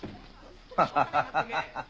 ハハハハ